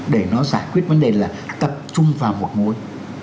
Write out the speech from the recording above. để nó giải quyết vấn đề là tập trung vào một mối